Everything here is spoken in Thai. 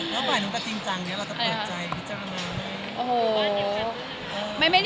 แล้วบ่ายนุ่นกับจริงจังเนี่ยเราจะเปิดใจพี่เจ้าอะไร